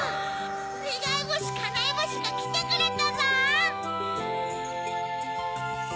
ねがいぼしかなえぼしがきてくれたゾウ！